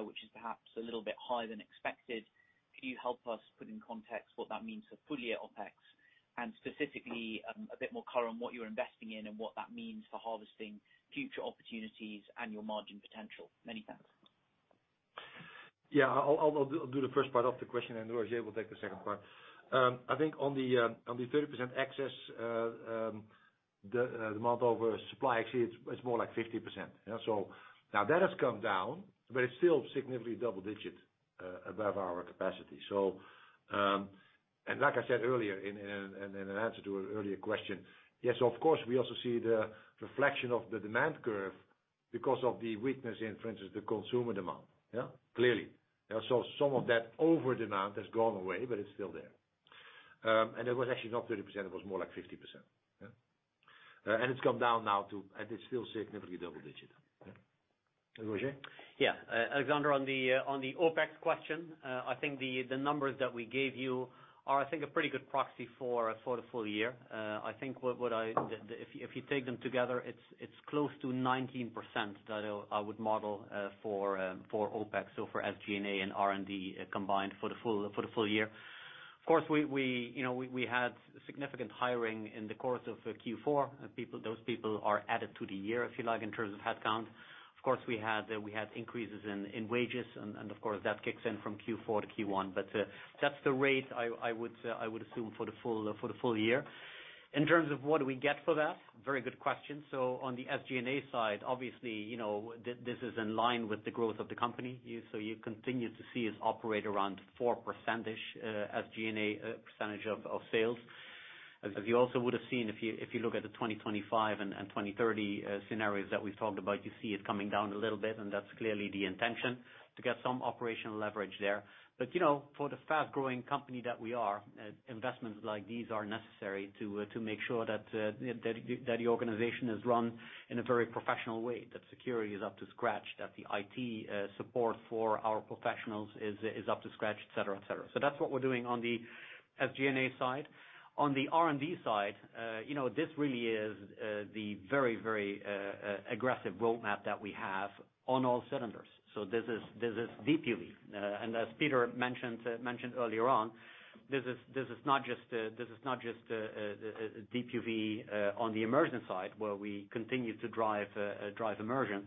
which is perhaps a little bit higher than expected. Could you help us put in context what that means for full-year OpEx and specifically, a bit more color on what you're investing in and what that means for harvesting future opportunities and your margin potential? Many thanks. Yeah. I'll do the first part of the question. Roger will take the second part. I think on the 30% excess, the amount over supply, actually it's more like 50%. Now that has come down, it's still significantly double digit above our capacity. Like I said earlier in an answer to an earlier question, yes, of course, we also see the reflection of the demand curve because of the weakness in, for instance, the consumer demand. Yeah. Clearly. Some of that over demand has gone away. It's still there. It was actually not 30%, it was more like 50%. Yeah. It's come down now to, and it's still significantly double digit. Yeah. Roger? Yeah. Alexander, on the OpEx question, I think the numbers that we gave you are, I think, a pretty good proxy for the full year. I think what I, if you take them together, it's close to 19% that I would model for OpEx, so for SG&A and R&D combined for the full, for the full year. Of course, we, you know, we had significant hiring in the course of Q4. Those people are added to the year, if you like, in terms of headcount. Of course, we had increases in wages and, of course, that kicks in from Q4 to Q1. That's the rate I would assume for the full, for the full year. In terms of what do we get for that? Very good question. On the SG&A side, obviously, you know, this is in line with the growth of the company. You continue to see us operate around 4% SG&A percentage of sales. As you also would have seen if you, if you look at the 2025 and 2030 scenarios that we've talked about, you see it coming down a little bit, and that's clearly the intention to get some operational leverage there. You know, for the fast-growing company that we are, investments like these are necessary to make sure that the organization is run in a very professional way, that security is up to scratch, that the IT support for our professionals is up to scratch, et cetera, et cetera. That's what we're doing on the SG&A side. On the R&D side, you know, this really is the very, very aggressive roadmap that we have on all cylinders. This is DUV. As Peter mentioned earlier on, this is not just a DUV on the immersion side where we continue to drive immersion,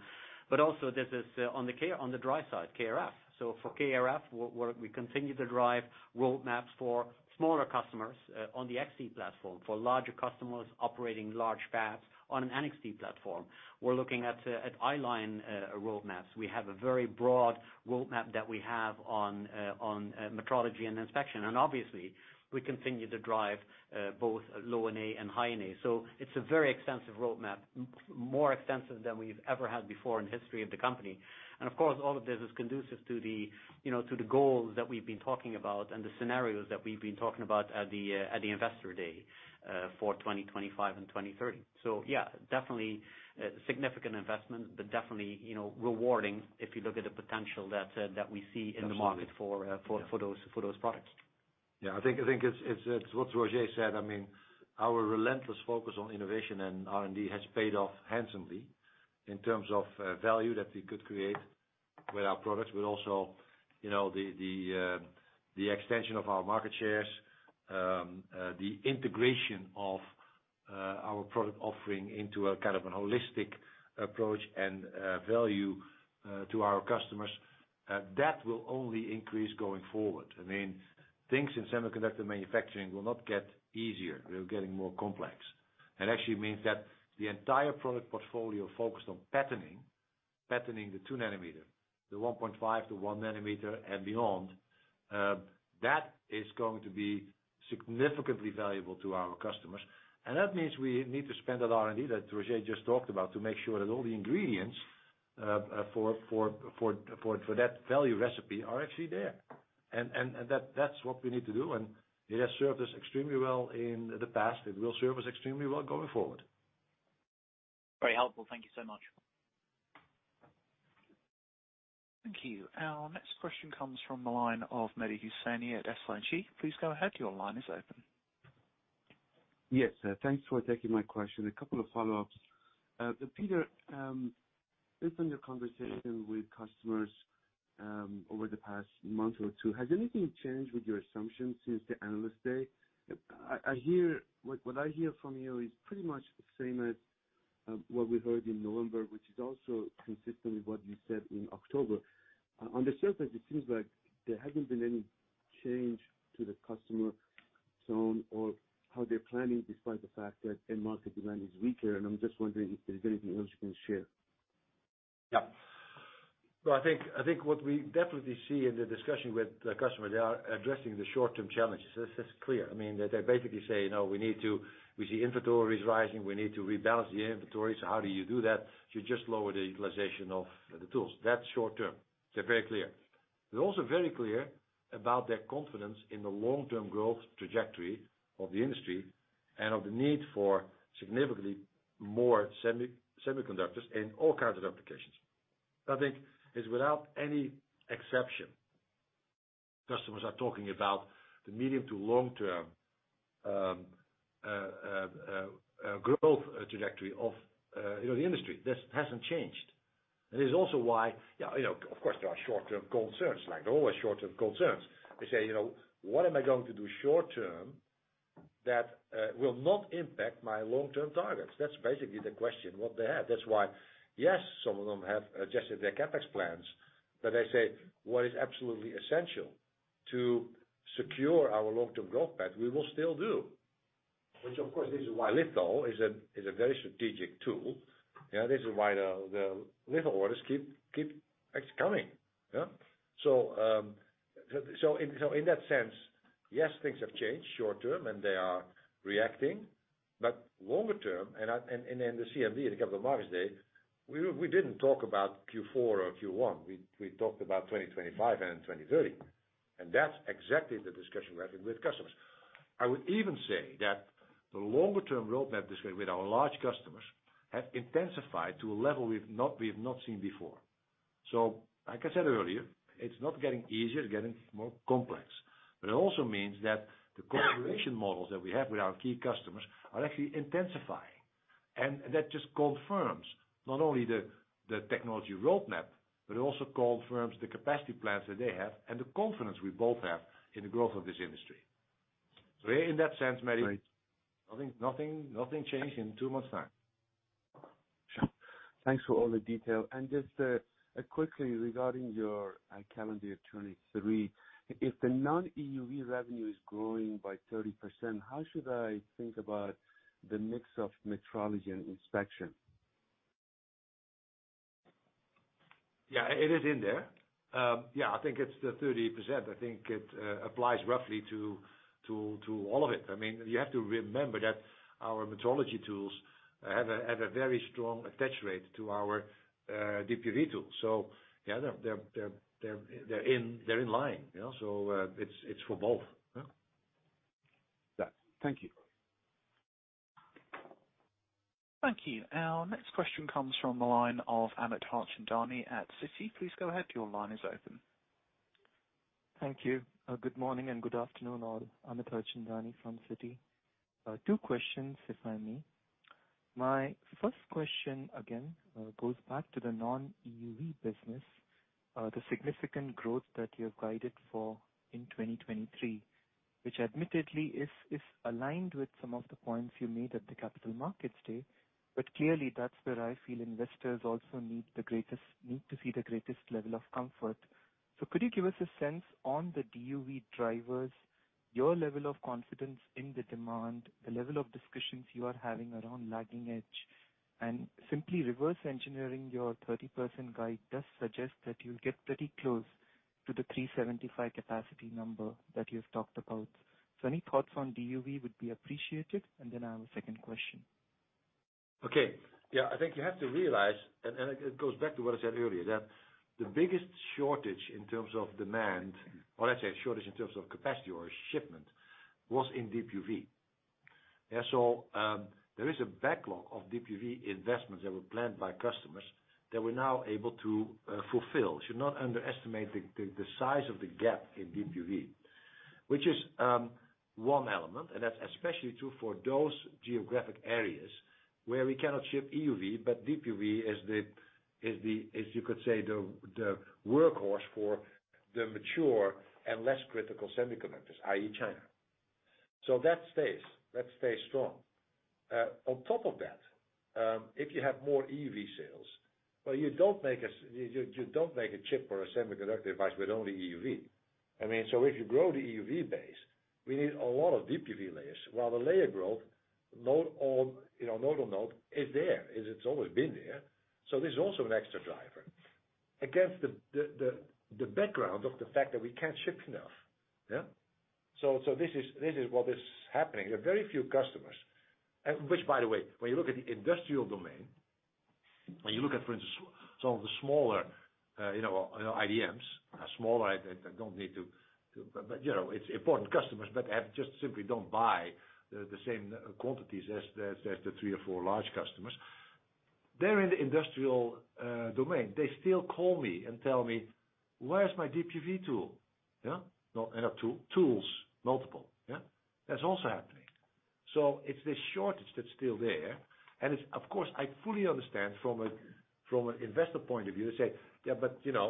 but also this is on the dry side, ArF. For ArF, we continue to drive roadmaps for smaller customers on the XT platform, for larger customers operating large fabs on an NXT platform. We're looking at i-line roadmaps. We have a very broad roadmap that we have on metrology and inspection. Obviously, we continue to drive both Low-NA and High-NA. It's a very extensive roadmap, more extensive than we've ever had before in the history of the company. Of course, all of this is conducive to the, you know, to the goals that we've been talking about and the scenarios that we've been talking about at the at the Investor Day for 2025 and 2030. Yeah, definitely a significant investment, but definitely, you know, rewarding if you look at the potential that we see in the market for those products. I think it's what Roger said. Our relentless focus on innovation and R&D has paid off handsomely in terms of value that we could create with our products, but also, you know, the extension of our market shares, the integration of our product offering into a kind of an holistic approach and value to our customers that will only increase going forward. Things in semiconductor manufacturing will not get easier. They're getting more complex. It actually means that the entire product portfolio focused on patterning the 2 nm, the 1.5 nm-1 nm and beyond that is going to be significantly valuable to our customers. That means we need to spend that R&D that Roger just talked about to make sure that all the ingredients, for that value recipe are actually there. That's what we need to do. It has served us extremely well in the past. It will serve us extremely well going forward. Very helpful. Thank you so much. Thank you. Our next question comes from the line of Mehdi Hosseini at SIG. Please go ahead. Your line is open. Yes, thanks for taking my question. A couple of follow-ups. Peter, based on your conversation with customers, over the past month or two, has anything changed with your assumptions since the analyst day? I hear like what I hear from you is pretty much the same as what we heard in November, which is also consistent with what you said in October. On the surface, it seems like there hasn't been any change to the customer tone or how they're planning, despite the fact that end market demand is weaker. I'm just wondering if there's anything else you can share. Yeah. I think what we definitely see in the discussion with the customer, they are addressing the short-term challenges. That's clear. I mean, they basically say, "You know, we need to. We see inventories rising. We need to rebalance the inventories." How do you do that? You just lower the utilization of the tools. That's short-term. They're very clear. They're also very clear about their confidence in the long-term growth trajectory of the industry and of the need for significantly more semiconductors in all kinds of applications. I think it's without any exception, customers are talking about the medium to long-term growth trajectory of, you know, the industry. This hasn't changed. It's also why, yeah, you know, of course, there are short-term concerns. Like, there are always short-term concerns. They say, you know, "What am I going to do short-term that will not impact my long-term targets?" That's basically the question what they have. That's why, yes, some of them have adjusted their CapEx plans. They say, "What is absolutely essential to secure our long-term growth path, we will still do." Which, of course, this is why Litho is a very strategic tool. You know, this is why the Litho orders keep coming, yeah? In that sense, yes, things have changed short-term, and they are reacting. Longer term, and the CMD, the Capital Markets Day, we didn't talk about Q4 or Q1. We talked about 2025 and 2030. That's exactly the discussion we're having with customers. I would even say that the longer term roadmap discussion with our large customers has intensified to a level we've not seen before. Like I said earlier, it's not getting easier, it's getting more complex. It also means that the cooperation models that we have with our key customers are actually intensifying. That just confirms not only the technology roadmap, but it also confirms the capacity plans that they have and the confidence we both have in the growth of this industry. In that sense. Right. Nothing, nothing changed in 2 months' time. Sure. Thanks for all the detail. Just quickly regarding your calendar 23, if the non-EUV revenue is growing by 30%, how should I think about the mix of metrology and inspection? It is in there. I think it's the 30%. I think it applies roughly to, to all of it. I mean, you have to remember that our metrology tools have a very strong attach rate to our DUV tools. They're in line, you know? It's for both. Yeah. Yeah. Thank you. Thank you. Our next question comes from the line of Amit Harchandani at Citi. Please go ahead. Your line is open. Thank you. Good morning and good afternoon all. Amit Harchandani from Citi. 2 questions, if I may. My first question, again, goes back to the non-EUV business, the significant growth that you have guided for in 2023, which admittedly is aligned with some of the points you made at the Capital Markets Day. Clearly that's where I feel investors also need to see the greatest level of comfort. Could you give us a sense on the DUV drivers, your level of confidence in the demand, the level of discussions you are having around lagging edge? Simply reverse engineering your 30% guide does suggest that you'll get pretty close to the 375 capacity number that you've talked about. Any thoughts on DUV would be appreciated. I have a second question. Okay. Yeah. I think you have to realize, and it goes back to what I said earlier, that the biggest shortage in terms of demand, or let's say shortage in terms of capacity or shipment, was in DUV. There is a backlog of DUV investments that were planned by customers that we're now able to fulfill. Should not underestimate the size of the gap in DUV, which is one element, and that's especially true for those geographic areas where we cannot ship EUV, but DUV is the workhorse for the mature and less critical semiconductors, i.e. China. That stays strong. On top of that, if you have more EUV sales, but you don't make a chip or a semiconductor device with only EUV. I mean, if you grow the EUV base, we need a lot of DUV layers. While the layer growth node on, you know, nodal node is there. It's always been there. This is also an extra driver. Against the background of the fact that we can't ship enough. Yeah? So this is what is happening. There are very few customers. Which by the way, when you look at the industrial domain, when you look at, for instance, some of the smaller, you know, IDMs, smaller, I don't need to... But, you know, it's important customers, but they just simply don't buy the same quantities as the three or four large customers. They're in the industrial domain. They still call me and tell me, "Where's my DUV tool?" Yeah. No, have tool-tools, multiple. Yeah. That's also happening. It's this shortage that's still there, and it's of course I fully understand from an investor point of view to say, "Yeah, you know,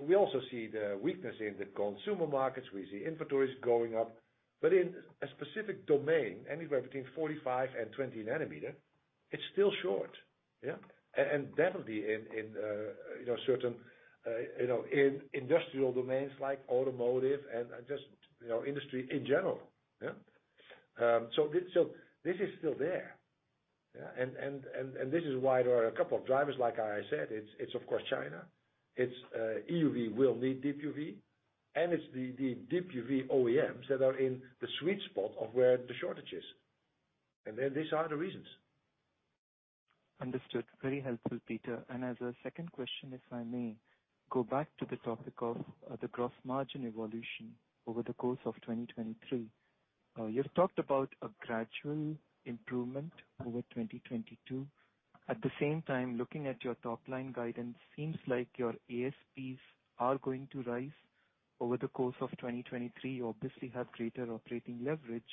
we also see the weakness in the consumer markets. We see inventories going up." In a specific domain, anywhere between 45 and 20 nm, it's still short. Yeah. And that'll be in, you know, certain, you know, in industrial domains like automotive and just, you know, industry in general. Yeah. This is still there. Yeah. This is why there are a couple of drivers, like I said. It's of course China. It's EUV will need DUV, and it's the DUV OEMs that are in the sweet spot of where the shortage is. These are the reasons. Understood. Very helpful, Peter. As a second question, if I may go back to the topic of the gross margin evolution over the course of 2023. You've talked about a gradual improvement over 2022. At the same time, looking at your top-line guidance seems like your ASPs are going to rise over the course of 2023. You obviously have greater operating leverage.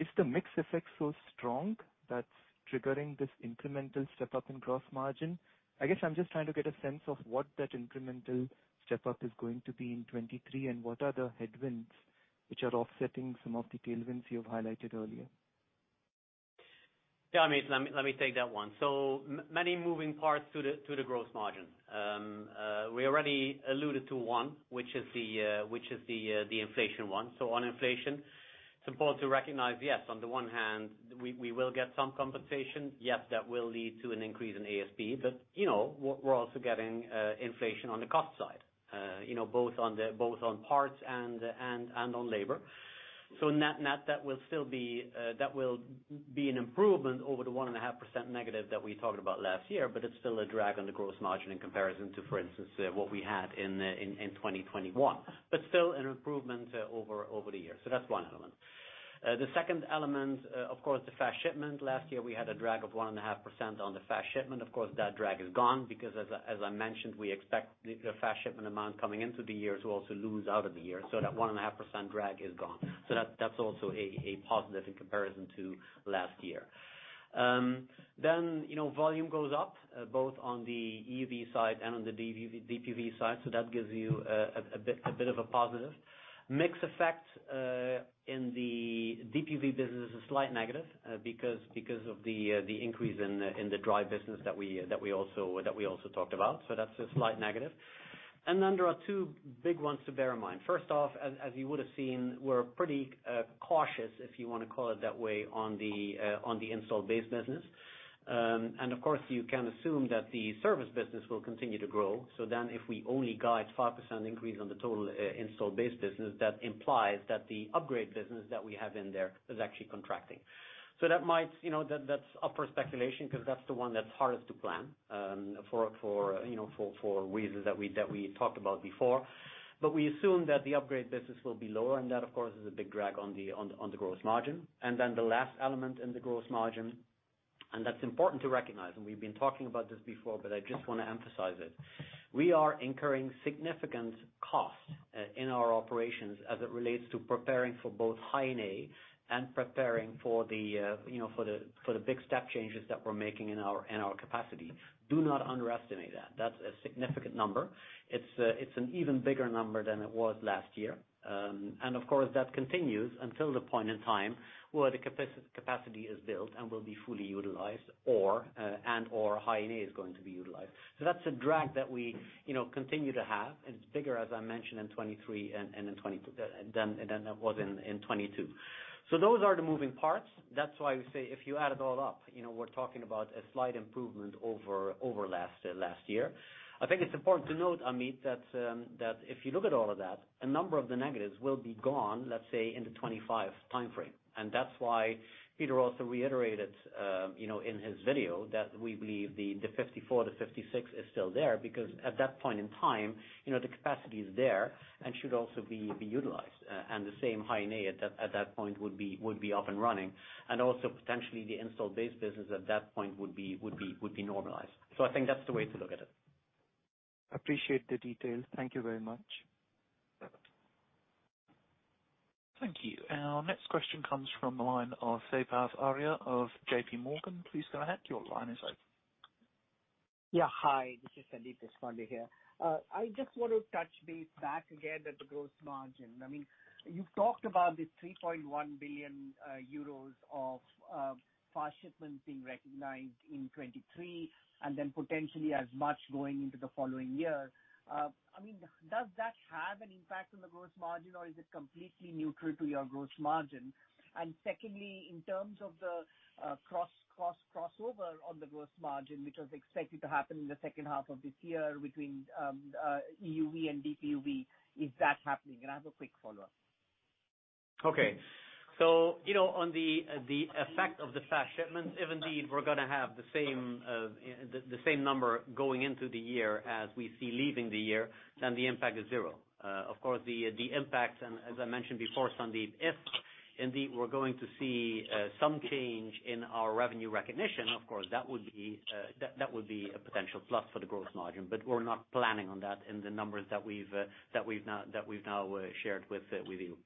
Is the mix effect so strong that's triggering this incremental step-up in gross margin? I guess I'm just trying to get a sense of what that incremental step-up is going to be in 2023, and what are the headwinds which are offsetting some of the tailwinds you have highlighted earlier. Yeah. I mean, let me take that one. Many moving parts to the gross margin. We already alluded to one, which is the inflation one. On inflation, it's important to recognize, yes, on the one hand, we will get some compensation. Yes, that will lead to an increase in ASP. But, you know, we're also getting inflation on the cost side, you know, both on parts and on labor. Net, net, that will still be an improvement over the 1.5% negative that we talked about last year, but it's still a drag on the gross margin in comparison to, for instance, what we had in 2021. Still an improvement over the years. That's one element. The second element, of course, the fast shipment. Last year we had a drag of 1.5% on the fast shipment. Of course, that drag is gone because as I mentioned, we expect the fast shipment amount coming into the year to also lose out of the year. That 1.5% drag is gone. That's also a positive in comparison to last year. You know, volume goes up both on the EUV side and on the DUV side, that gives you a bit of a positive. Mix effect in the DUV business is a slight negative because of the increase in the dry business that we also talked about. That's a slight negative. There are two big ones to bear in mind. First off, as you would have seen, we're pretty cautious, if you wanna call it that way, on the install base business. Of course you can assume that the service business will continue to grow. If we only guide 5% increase on the total install base business, that implies that the upgrade business that we have in there is actually contracting. That might, you know, that's up for speculation because that's the one that's hardest to plan, for, you know, for reasons that we talked about before. We assume that the upgrade business will be lower, and that of course is a big drag on the growth margin. The last element in the growth margin, and that's important to recognize, and we've been talking about this before, but I just wanna emphasize it. We are incurring significant costs in our operations as it relates to preparing for both High-NA and preparing for the, you know, for the big step changes that we're making in our capacity. Do not underestimate that. That's a significant number. It's an even bigger number than it was last year. Of course, that continues until the point in time where the capacity is built and will be fully utilized or, and/or High-NA is going to be utilized. That's a drag that we, you know, continue to have, and it's bigger, as I mentioned, in 2023 than it was in 2022. Those are the moving parts. That's why we say if you add it all up, you know, we're talking about a slight improvement over last last year. I think it's important to note, Amit, that if you look at all of that, a number of the negatives will be gone, let's say, in the 2025 timeframe. That's why Peter also reiterated, you know, in his video that we believe the 54-56 is still there because at that point in time, you know, the capacity is there and should also be utilized. The same High-NA at that point would be up and running. Also potentially the install base business at that point would be normalized. I think that's the way to look at it. Appreciate the detail. Thank you very much. Thank you. Our next question comes from the line of Sepaz Aria of JP Morgan. Please go ahead. Your line is open. Yeah. Hi, this is Sandeep Deshpande here. I just want to touch base back again at the gross margin. I mean, you've talked about the 3.1 billion euros of fast shipments being recognized in 2023 and then potentially as much going into the following year. I mean, does that have an impact on the gross margin, or is it completely neutral to your gross margin? Secondly, in terms of the crossover on the gross margin, which was expected to happen in the second half of this year between EUV and DUV, is that happening? I have a quick follow-up. Okay. You know, on the effect of the fast shipments, if indeed we're gonna have the same number going into the year as we see leaving the year, then the impact is zero. The impact, and as I mentioned before, Sandeep, if indeed we're going to see some change in our revenue recognition, of course, that would be that would be a potential plus for the gross margin. We're not planning on that in the numbers that we've that we've now shared with you.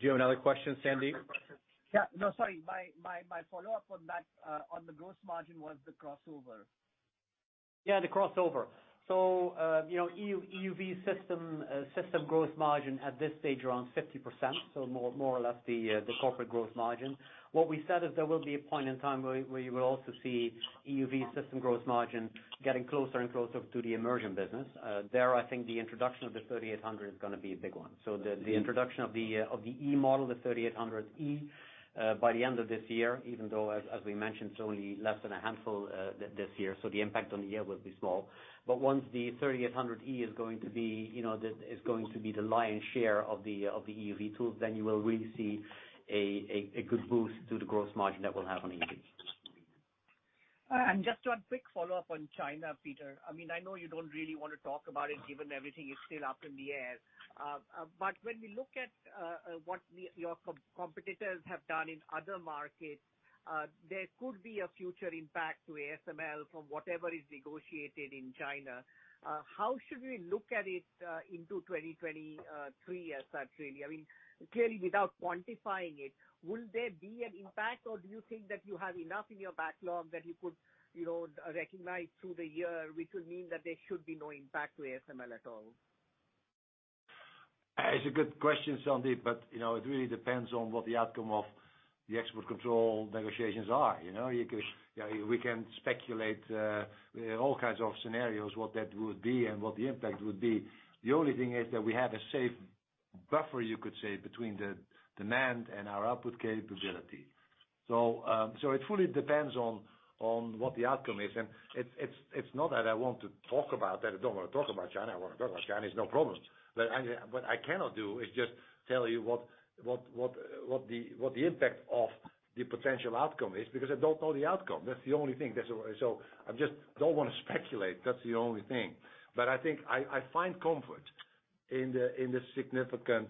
Do you have another question, Sandeep? Yeah. No, sorry. My follow-up on that, on the gross margin was the crossover. Yeah, the crossover. You know, EUV system growth margin at this stage around 50%, more or less the corporate growth margin. What we said is there will be a point in time where you will also see EUV system growth margin getting closer and closer to the immersion business. There, I think the introduction of the TWINSCAN NXE:3800E is gonna be a big one. The introduction of the E model, the TWINSCAN NXE:3800E, by the end of this year, even though as we mentioned, it's only less than a handful this year, so the impact on the year will be small. Once the TWINSCAN NXE:3800E is going to be, you know, the... is going to be the lion's share of the EUV tools, then you will really see a good boost to the growth margin that we'll have on EUV. Just one quick follow-up on China, Peter. I mean, I know you don't really wanna talk about it, given everything is still up in the air. But when we look at what your competitors have done in other markets, there could be a future impact to ASML from whatever is negotiated in China. How should we look at it into 2023 as such really? I mean, clearly without quantifying it, will there be an impact, or do you think that you have enough in your backlog that you could, you know, recognize through the year, which would mean that there should be no impact to ASML at all? It's a good question, Sandeep, you know, it really depends on what the outcome of the export control negotiations are, you know? We can speculate all kinds of scenarios, what that would be and what the impact would be. The only thing is that we have a safe buffer, you could say, between the demand and our output capability. It fully depends on what the outcome is. It's not that I want to talk about that. I don't wanna talk about China. I wanna talk about China. It's no problem. What I cannot do is just tell you what the impact of the potential outcome is, because I don't know the outcome. That's the only thing. I'm just don't wanna speculate, that's the only thing. I think I find comfort in the significant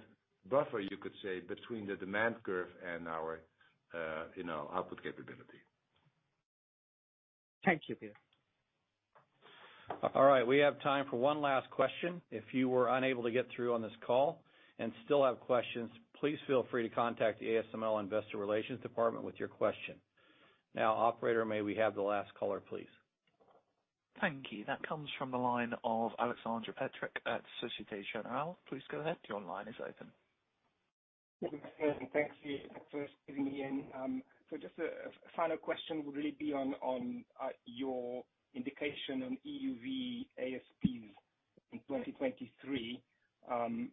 buffer, you could say, between the demand curve and our, you know, output capability. Thank you, Peter. All right, we have time for one last question. If you were unable to get through on this call and still have questions, please feel free to contact the ASML investor relations department with your question. Now, operator, may we have the last caller, please? Thank you. That comes from the line of Alexander Peterc at Societe Generale. Please go ahead. Your line is open. Thank you. Thanks for putting me in. Just a final question would really be on your indication on EUV ASPs in 2023.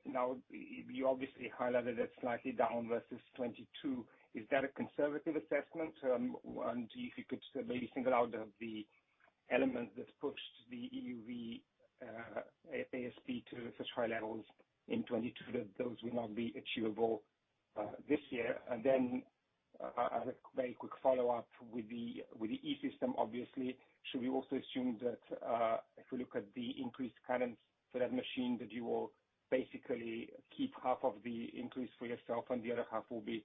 Now you obviously highlighted it slightly down versus 2022. Is that a conservative assessment? If you could maybe single out the element that pushed the EUV ASP to such high levels in 2022, that those will not be achievable this year. Then a very quick follow-up with the E system, obviously. Should we also assume that if we look at the increased cadence for that machine, that you will basically keep half of the increase for yourself and the other half will be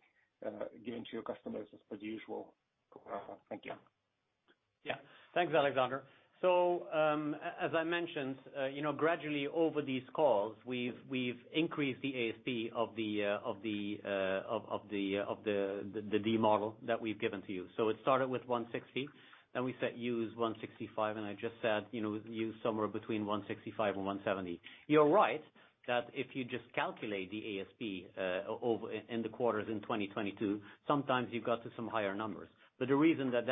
given to your customers as per usual? Thank you. Yeah. Thanks, Alexandre. As I mentioned, you know, gradually over these calls, we've increased the ASP of the TWINSCAN NXE:3600D that we've given to you. It started with 160, then we set use 165, and I just said, you know, use somewhere between 165 and 170. You're right that if you just calculate the ASP, over in the quarters in 2022, sometimes you got to some higher numbers. The reason that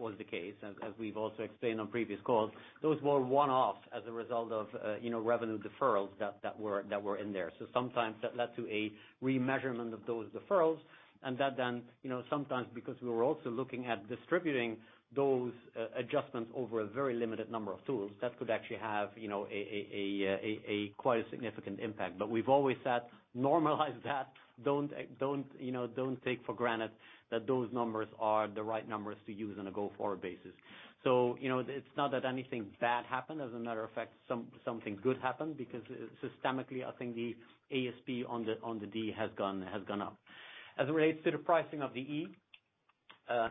was the case, as we've also explained on previous calls, those were one-offs as a result of, you know, revenue deferrals that were in there. Sometimes that led to a remeasurement of those deferrals, and that then, you know, sometimes because we were also looking at distributing those adjustments over a very limited number of tools, that could actually have, you know, a quite significant impact. We've always said normalize that. Don't, don't, you know, don't take for granted that those numbers are the right numbers to use on a go-forward basis. You know, it's not that anything bad happened. As a matter of fact, something good happened because systemically, I think the ASP on the D has gone, has gone up. As it relates to the pricing of the E,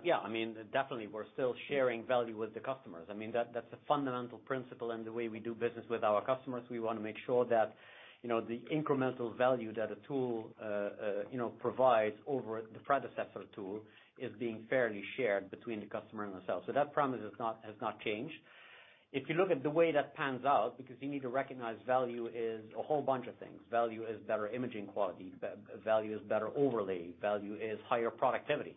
yeah, I mean, definitely, we're still sharing value with the customers. I mean, that's a fundamental principle in the way we do business with our customers. We wanna make sure that, you know, the incremental value that a tool, you know, provides over the predecessor tool is being fairly shared between the customer and themselves. That promise has not changed. If you look at the way that pans out, because you need to recognize value is a whole bunch of things. Value is better imaging quality. Value is better overlay. Value is higher productivity.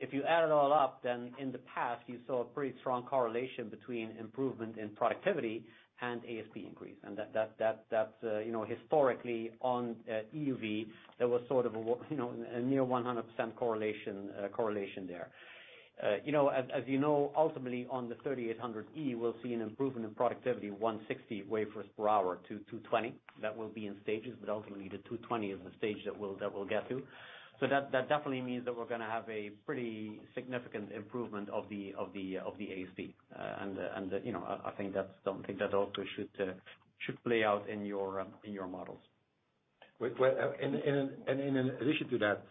If you add it all up, then in the past you saw a pretty strong correlation between improvement in productivity and ASP increase. That, you know, historically on EUV, there was sort of a, you know, a near 100% correlation there. You know, as you know, ultimately on the TWINSCAN NXE:3800E, we'll see an improvement in productivity, 160 wafers per hour to 220. That will be in stages, but ultimately the 220 is the stage that we'll get to. That, that definitely means that we're gonna have a pretty significant improvement of the ASP. And the, you know, I think that's something that also should play out in your models. Well, in addition to that,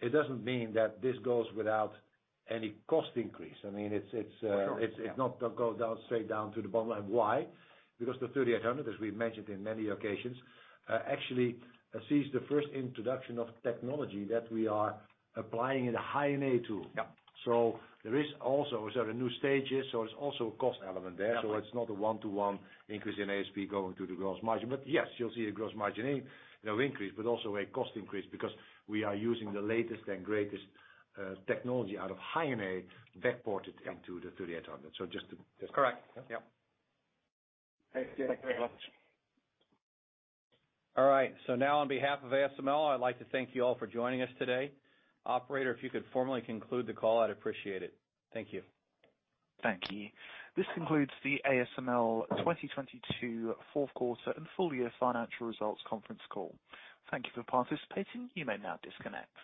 it doesn't mean that this goes without any cost increase. I mean, it's. Sure. Yeah. It's not go down, straight down to the bottom line. Why? Because the TWINSCAN NXE:3800E, as we've mentioned in many occasions, actually sees the first introduction of technology that we are applying in a High-NA tool. Yeah. There is also a set of new stages, so it's also a cost element there. Yeah. It's not a 1-to-1 increase in ASP going to the gross margin. Yes, you'll see a gross margin increase, but also a cost increase because we are using the latest and greatest technology out of High-NA back-ported. Yeah. into the TWINSCAN NXE:3800E. Correct. Yep. Thanks. Thank you very much. Now on behalf of ASML, I'd like to thank you all for joining us today. Operator, if you could formally conclude the call, I'd appreciate it. Thank you. Thank you. This concludes the ASML 2022 fourth quarter and full year financial results conference call. Thank you for participating. You may now disconnect.